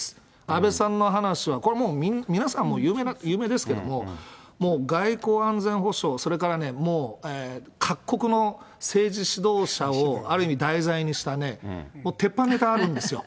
安倍さんの話は、これもう、皆さん、もう、有名ですけれども、もう外交安全保障、それからね、もう、各国の政治指導者をある意味題材にしたね、鉄板ネタあるんですよ。